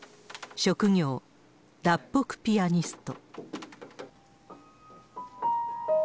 職業、脱北ピアニスト。